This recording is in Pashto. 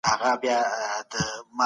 سره کړي خواړه روغتیا ته زیان رسوي.